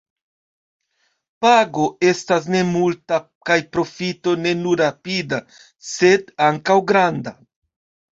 Pago estas ne multa kaj profito ne nur rapida sed ankaŭ granda.